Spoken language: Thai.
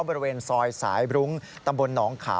บริเวณซอยสายบรุ้งตำบลหนองขาม